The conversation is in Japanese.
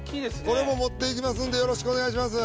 これも持っていきますんでよろしくお願いします。